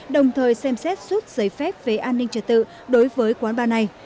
đồng thời xem xét suốt giấy phép về an ninh trợ tự đối với quán bar này